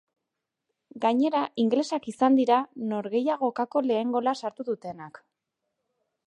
Gainera, ingelesak izan dira norgehiagokako lehen gola sartu dutenak.